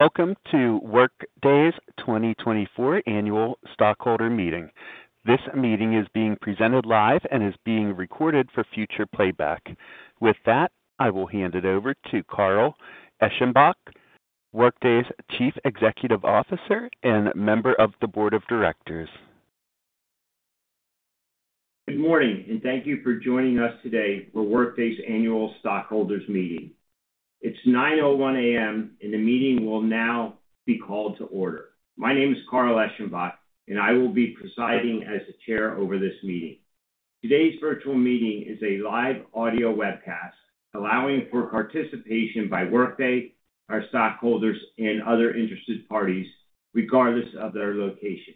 Welcome to Workday's 2024 Annual Stockholder Meeting. This meeting is being presented live and is being recorded for future playback. With that, I will hand it over to Carl Eschenbach, Workday's Chief Executive Officer and member of the Board of Directors. Good morning, and thank you for joining us today for Workday's Annual Stockholders Meeting. It's 9:01 A.M., and the meeting will now be called to order. My name is Carl Eschenbach, and I will be presiding as the chair over this meeting. Today's virtual meeting is a live audio webcast, allowing for participation by Workday, our stockholders, and other interested parties, regardless of their location.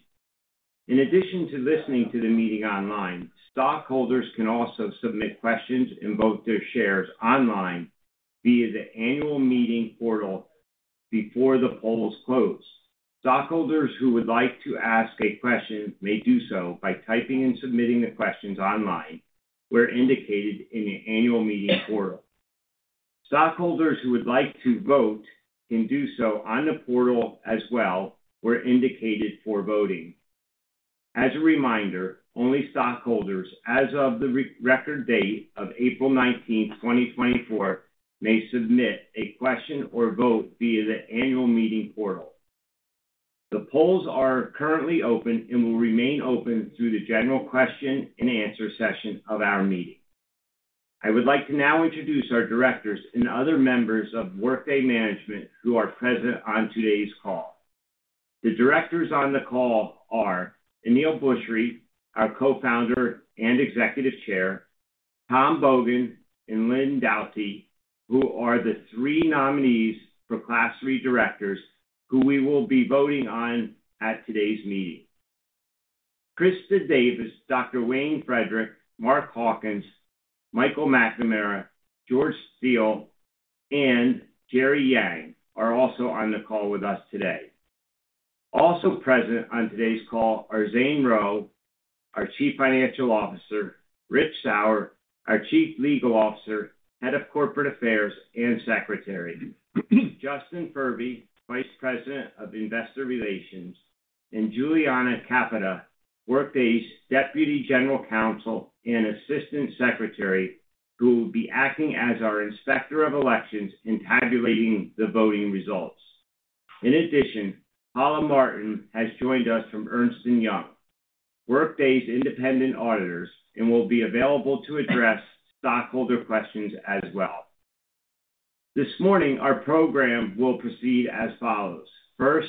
In addition to listening to the meeting online, stockholders can also submit questions and vote their shares online via the Annual Meeting portal before the polls close. Stockholders who would like to ask a question may do so by typing and submitting the questions online where indicated in the Annual Meeting portal. Stockholders who would like to vote can do so on the portal as well where indicated for voting. As a reminder, only stockholders as of the record date of April 19th, 2024, may submit a question or vote via the Annual Meeting portal. The polls are currently open and will remain open through the general question-and-answer session of our meeting. I would like to now introduce our directors and other members of Workday Management who are present on today's call. The directors on the call are Aneel Bhusri, our Co-Founder and Executive Chair, Tom Bogan, and Lynne Doughtie, who are the three nominees for Class 3 Directors who we will be voting on at today's meeting. Christa Davies, Dr. Wayne Frederick, Mark Hawkins, Michael McNamara, George Still, and Jerry Yang are also on the call with us today. Also present on today's call are Zane Rowe, our Chief Financial Officer, Rich Sauer, our Chief Legal Officer, Head of Corporate Affairs and Secretary, Justin Furby, Vice President of Investor Relations, and Juliana Capata, Workday's Deputy General Counsel and Assistant Secretary, who will be acting as our Inspector of Elections in tabulating the voting results. In addition, Paula Martin has joined us from Ernst & Young, Workday's independent auditors, and will be available to address stockholder questions as well. This morning, our program will proceed as follows. First,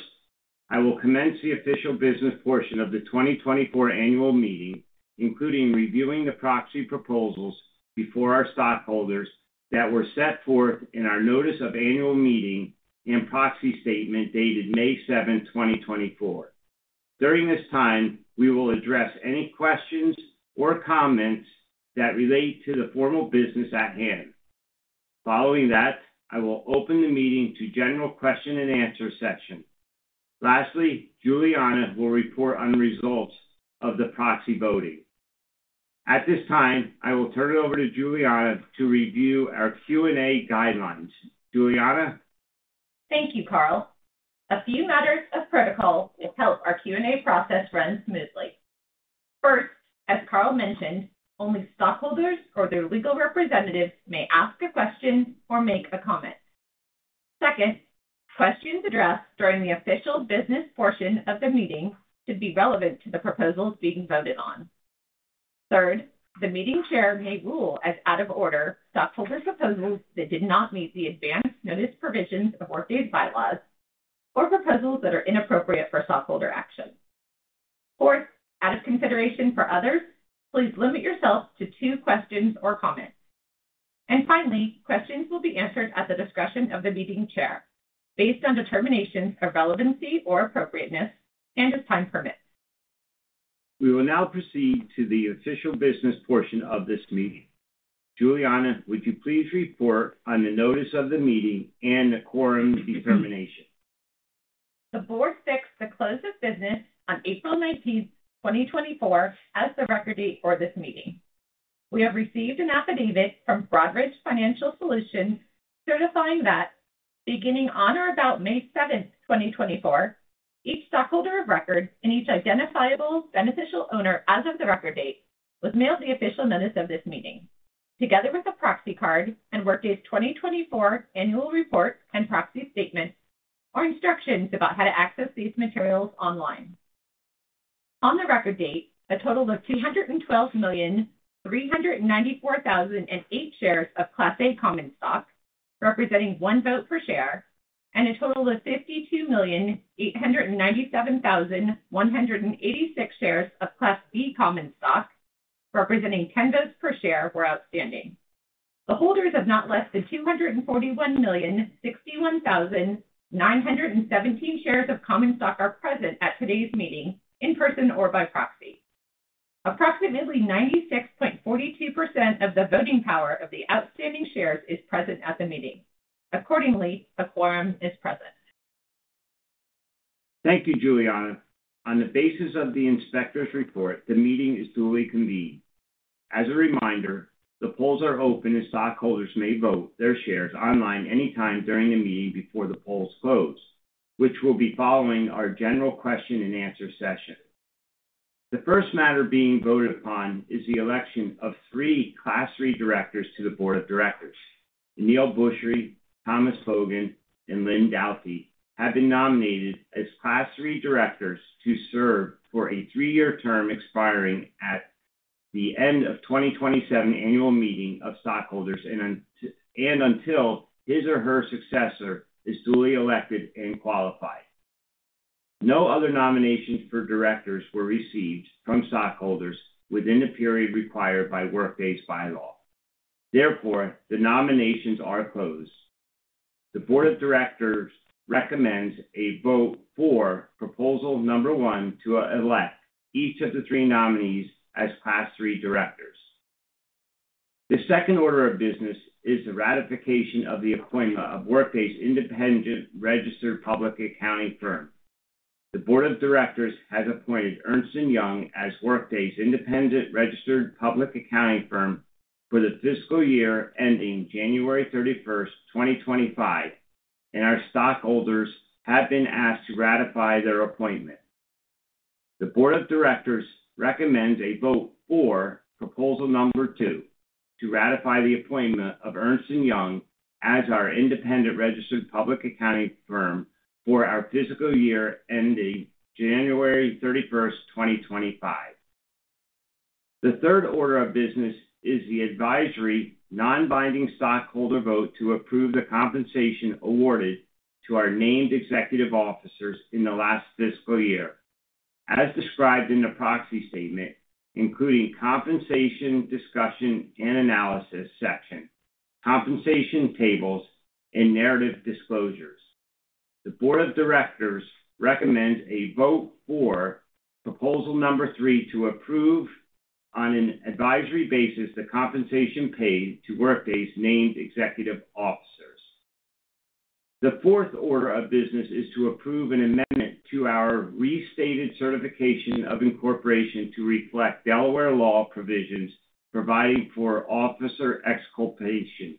I will commence the official business portion of the 2024 Annual Meeting, including reviewing the proxy proposals before our stockholders that were set forth in our Notice of Annual Meeting and Proxy Statement dated May 7th, 2024. During this time, we will address any questions or comments that relate to the formal business at hand. Following that, I will open the meeting to general question-and-answer session. Lastly, Juliana will report on results of the proxy voting. At this time, I will turn it over to Juliana to review our Q&A guidelines. Juliana? Thank you, Carl. A few matters of protocol will help our Q&A process run smoothly. First, as Carl mentioned, only stockholders or their legal representatives may ask a question or make a comment. Second, questions addressed during the official business portion of the meeting should be relevant to the proposals being voted on. Third, the meeting chair may rule as out of order stockholder proposals that did not meet the advance notice provisions of Workday's bylaws or proposals that are inappropriate for stockholder action. Fourth, out of consideration for others, please limit yourself to two questions or comments. And finally, questions will be answered at the discretion of the meeting chair based on determinations of relevancy or appropriateness and if time permits. We will now proceed to the official business portion of this meeting. Juliana, would you please report on the notice of the meeting and the quorum determination? The board fixed the close of business on April 19th, 2024, as the record date for this meeting. We have received an affidavit from Broadridge Financial Solutions certifying that, beginning on or about May 7th, 2024, each stockholder of record and each identifiable beneficial owner as of the record date was mailed the official notice of this meeting, together with a proxy card and Workday's 2024 Annual Report and Proxy Statement, or instructions about how to access these materials online. On the record date, a total of 212,394,008 shares of Class A Common Stock, representing one vote per share, and a total of 52,897,186 shares of Class B Common Stock, representing 10 votes per share, were outstanding. The holders of not less than 241,061,917 shares of common stock are present at today's meeting in person or by proxy. Approximately 96.42% of the voting power of the outstanding shares is present at the meeting. Accordingly, a quorum is present. Thank you, Juliana. On the basis of the inspector's report, the meeting is duly convened. As a reminder, the polls are open and stockholders may vote their shares online anytime during the meeting before the polls close, which will be following our general question-and-answer session. The first matter being voted upon is the election of three Class 3 Directors to the Board of Directors. Aneel Bhusri, Thomas Bogan, and Lynne Doughtie have been nominated as Class 3 directors to serve for a three-year term expiring at the end of the 2027 Annual Meeting of Stockholders and until his or her successor is duly elected and qualified. No other nominations for directors were received from stockholders within the period required by Workday's bylaw. Therefore, the nominations are closed. The Board of Directors recommends a vote for Proposal number one to elect each of the three nominees as Class 3 Directors. The second order of business is the ratification of the appointment of Workday's independent registered public accounting firm. The Board of Directors has appointed Ernst & Young as Workday's independent registered public accounting firm for the fiscal year ending January 31st, 2025, and our stockholders have been asked to ratify their appointment. The Board of Directors recommends a vote for Proposal Number 2 to ratify the appointment of Ernst & Young as our independent registered public accounting firm for our fiscal year ending January 31st, 2025. The third order of business is the advisory non-binding stockholder vote to approve the compensation awarded to our named executive officers in the last fiscal year, as described in the Proxy Statement, including Compensation Discussion and Analysis section, compensation tables, and narrative disclosures. The Board of Directors recommends a vote for Proposal Number 3 to approve on an advisory basis the compensation paid to Workday's named executive officers. The 4th order of business is to approve an amendment to our Restated Certification of Incorporation to reflect Delaware law provisions providing for officer exculpation.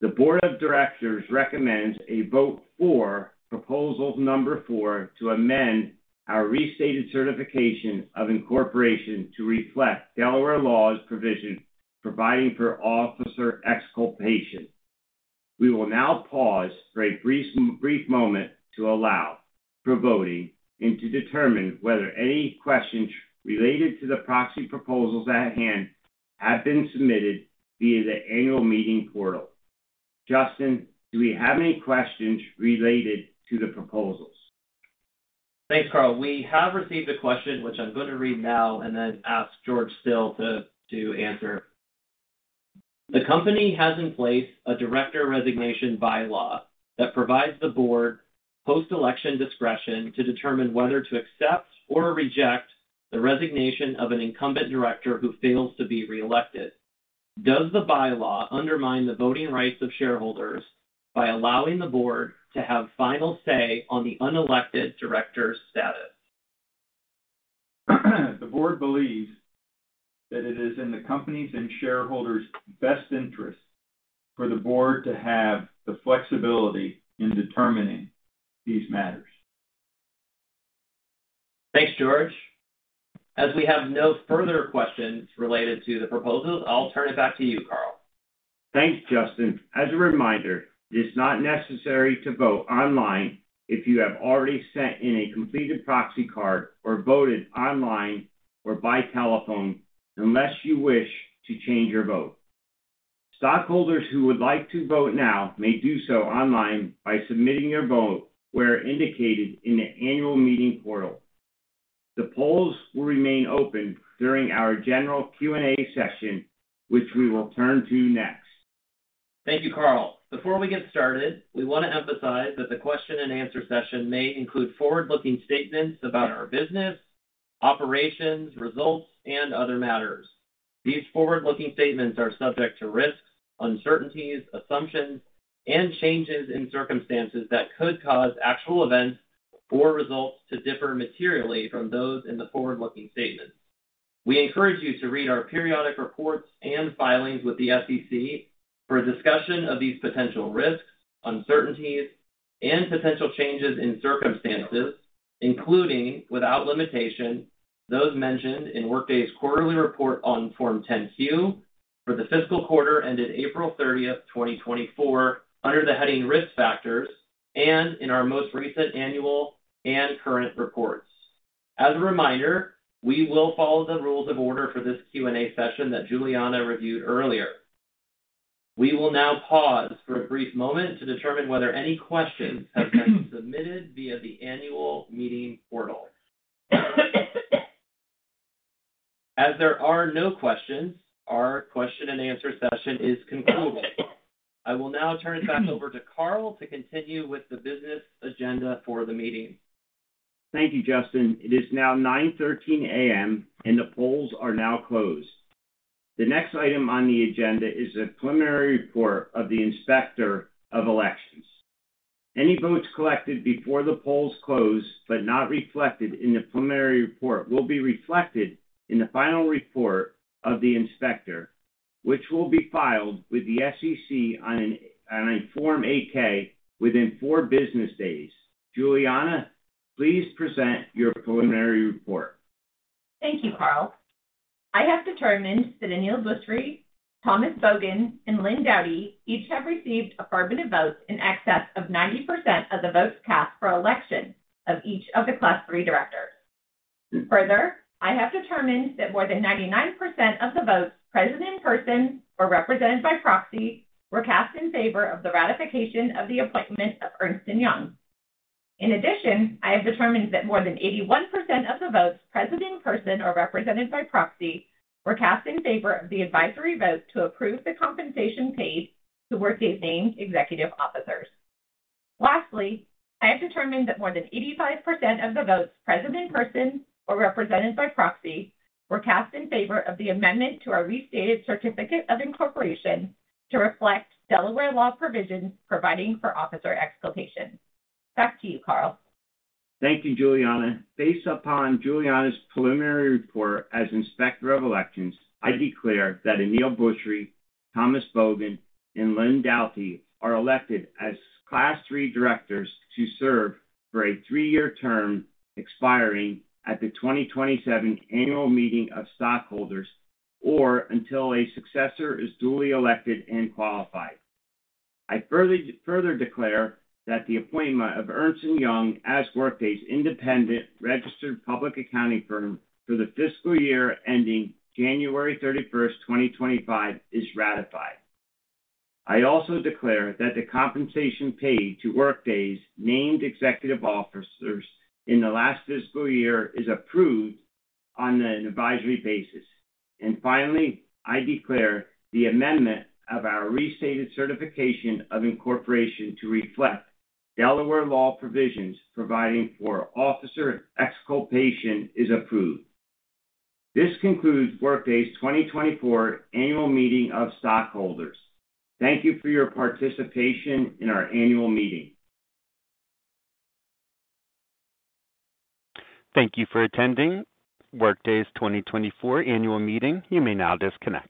The Board of Directors recommends a vote for Proposal Number 4 to amend our Restated Certification of Incorporation to reflect Delaware law provisions providing for officer exculpation. We will now pause for a brief moment to allow for voting and to determine whether any questions related to the proxy proposals at hand have been submitted via the Annual Meeting portal. Justin, do we have any questions related to the proposals? Thanks, Carl. We have received a question, which I'm going to read now and then ask George Still to answer. The company has in place a director resignation bylaw that provides the board post-election discretion to determine whether to accept or reject the resignation of an incumbent director who fails to be reelected. Does the bylaw undermine the voting rights of shareholders by allowing the board to have final say on the unelected director's status? The board believes that it is in the company's and shareholders' best interest for the Board to have the flexibility in determining these matters. Thanks, George. As we have no further questions related to the proposals, I'll turn it back to you, Carl. Thanks, Justin. As a reminder, it is not necessary to vote online if you have already sent in a completed proxy card or voted online or by telephone unless you wish to change your vote. Stockholders who would like to vote now may do so online by submitting your vote where indicated in the Annual Meeting portal. The polls will remain open during our general Q&A session, which we will turn to next. Thank you, Carl. Before we get started, we want to emphasize that the question-and-answer session may include forward-looking statements about our business, operations, results, and other matters. These forward-looking statements are subject to risks, uncertainties, assumptions, and changes in circumstances that could cause actual events or results to differ materially from those in the forward-looking statements. We encourage you to read our periodic reports and filings with the SEC for a discussion of these potential risks, uncertainties, and potential changes in circumstances, including without limitation, those mentioned in Workday's quarterly report on Form 10-Q for the fiscal quarter ended April 30th, 2024, under the heading Risk Factors and in our most recent annual and current reports. As a reminder, we will follow the rules of order for this Q&A session that Juliana reviewed earlier. We will now pause for a brief moment to determine whether any questions have been submitted via the Annual Meeting portal. As there are no questions, our question-and-answer session is concluded. I will now turn it back over to Carl to continue with the business agenda for the meeting. Thank you, Justin. It is now 9:13 A.M., and the polls are now closed. The next item on the agenda is the preliminary report of the inspector of elections. Any votes collected before the polls close but not reflected in the preliminary report will be reflected in the final report of the inspector, which will be filed with the SEC on Form 8-K within four business days. Juliana, please present your preliminary report. Thank you, Carl. I have determined that Aneel Bhusri, Thomas Bogan, and Lynne Doughtie each have received a majority of votes in excess of 90% of the votes cast for election of each of the Class 3 Directors. Further, I have determined that more than 99% of the votes present in person or represented by proxy were cast in favor of the ratification of the appointment of Ernst & Young. In addition, I have determined that more than 81% of the votes present in person or represented by proxy were cast in favor of the advisory vote to approve the compensation paid to Workday's named executive officers. Lastly, I have determined that more than 85% of the votes present in person or represented by proxy were cast in favor of the amendment to our Restated Certificate of Incorporation to reflect Delaware law provisions providing for officer exculpation. Back to you, Carl. Thank you, Juliana. Based upon Juliana's preliminary report as inspector of elections, I declare that Aneel Bhusri, Thomas Bogan, and Lynne Doughtie are elected as Class 3 Directors to serve for a three-year term expiring at the 2027 Annual Meeting of Stockholders or until a successor is duly elected and qualified. I further declare that the appointment of Ernst & Young as Workday's independent registered public accounting firm for the fiscal year ending January 31, 2025, is ratified. I also declare that the compensation paid to Workday's named executive officers in the last fiscal year is approved on an advisory basis. Finally, I declare the amendment of our Restated Certification of Incorporation to reflect Delaware law provisions providing for officer exculpation is approved. This concludes Workday's 2024 Annual Meeting of Stockholders. Thank you for your participation in our annual meeting. Thank you for attending Workday's 2024 Annual Meeting. You may now disconnect.